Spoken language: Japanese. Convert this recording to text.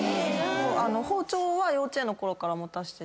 包丁は幼稚園のころから持たせてて。